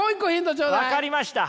分かりました。